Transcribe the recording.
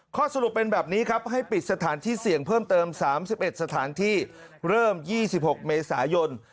ข้อสรุปเป็นแบบนี้ครับให้ปิดสถานที่เสี่ยงเพิ่มเติม๓๑สถานที่เริ่ม๒๖เมษายน